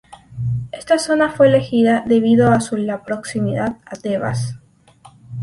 Esta zona fue elegida debido a su la proximidad a Tebas.